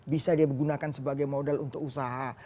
bisa dia gunakan sebagai modal untuk usaha